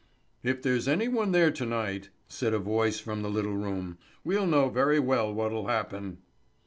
"If there's any one there to night," said a voice from the little room, "we know very well what'll happen."